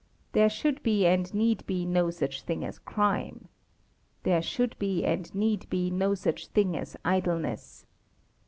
There should be and need be no such thing as crime. There should be and need be no such thing as idleness.